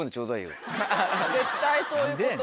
絶対そういうこと。